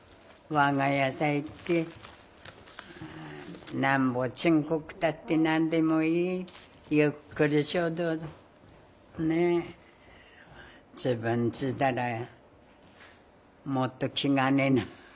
我が家さ行ってなんぼちんこくたって何でもいいゆっくりしようとねえ自分ちだらもっと気兼ねなく。